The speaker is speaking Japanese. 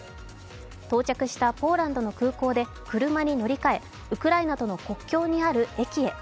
到着したポーランドの空港で車に乗り換え、ウクライナとの国境にある駅へ。